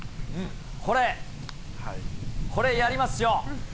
これ、これやりますよ。